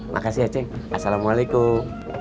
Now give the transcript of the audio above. makasih ya cek assalamualaikum